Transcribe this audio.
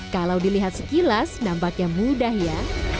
kalau dilihat sekilas nampaknya mudah ya